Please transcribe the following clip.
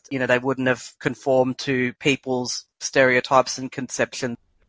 hanya saja mereka tidak pernah berkonformasi dengan stereotip dan konsepsi orang orang